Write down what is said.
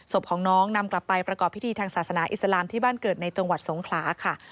ศพของน้องนำกลับไปประกอบพิธีทางศาสนาอิสลามที่บ้านเกิดในจังหวัดสงขลาค่ะ